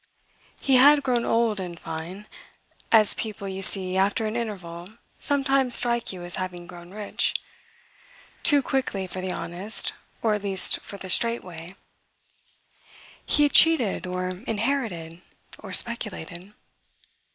He had grown old, in fine, as people you see after an interval sometimes strike you as having grown rich too quickly for the honest, or at least for the straight, way. He had cheated or inherited or speculated.